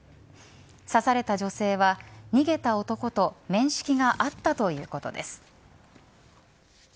刺された女性は逃げた男と面識があったということです。